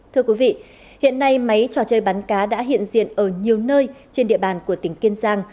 thưa quý vị hiện nay máy trò chơi bắn cá đã hiện diện ở nhiều nơi trên địa bàn của tỉnh kiên giang